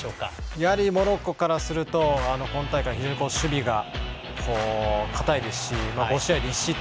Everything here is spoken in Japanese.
やはりモロッコからすると今大会、非常に守備が堅いですし５試合で１失点。